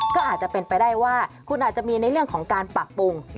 ก็อาจจะเป็นไปได้ว่าคุณอาจจะมีในเรื่องของการปรับปรุง